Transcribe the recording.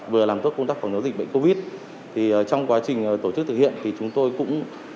vừa làm tốt công tác phòng chống dịch bệnh covid thì trong quá trình tổ chức thực hiện thì chúng tôi cũng